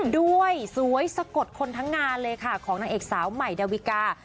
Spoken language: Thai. ด้วยสวยสะกดคนทั้งงานเลยค่ะของนางเอกสาวใหม่ดาวิกา